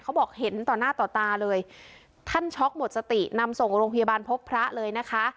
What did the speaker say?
เขาบอกเห็นต่อหน้าต่อตาเลยท่านช็อกหมดสตินำส่งโรงพยาบาลพบพระเลยนะคะ